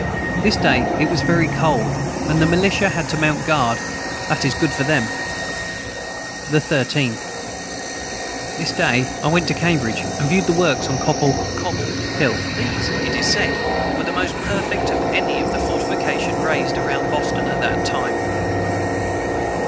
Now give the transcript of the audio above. This day it was very cold and the melitia had to mount guard that is good for them. the 13. This day I went to cambridg and viewed the works on copple hill. [Footnote 191: Cobble.] [Footnote 192: These, it is said, were the most perfect of any of the fortifications raised around Boston at that time.